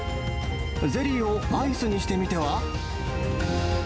ゼリーをアイスにしてみては？